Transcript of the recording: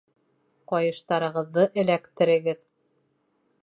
Ҡайыштарығыҙҙы эләктерегеҙ